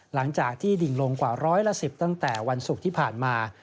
หลังจากที่ดิ่งลงกว่าร้อยละ๑๐ตั้งแต่วันศุกร์ที่ผ่านมา